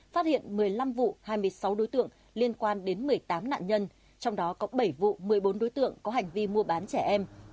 phát hiện một mươi năm vụ hai mươi sáu đối tượng liên quan đến một mươi tám nạn nhân trong đó có bảy vụ một mươi bốn đối tượng có hành vi mua bán trẻ em